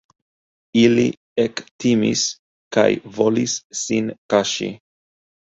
Ili ektimis kaj volis sin kaŝi.